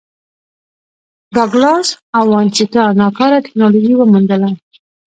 ډاګلاس او وانسینا ناکاره ټکنالوژي وموندله.